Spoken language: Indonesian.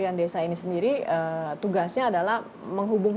oke jadi dari kementerian desa ini sendiri tugasnya adalah menghubungkan